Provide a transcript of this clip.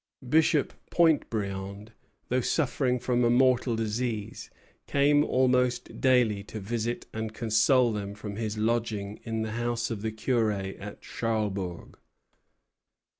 Bishop Pontbriand, though suffering from a mortal disease, came almost daily to visit and console them from his lodging in the house of the curé at Charlesbourg.